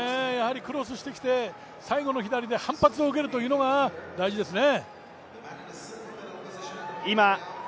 クロスしてきて最後の左で反発を受けるというのが大事ですね。